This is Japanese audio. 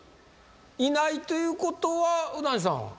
いないということは右團次さんは？